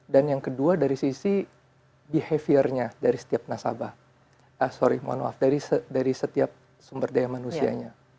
dan yang kedua dari sisi behavior nya dari setiap nasabah sorry mohon maaf dari setiap sumber daya manusianya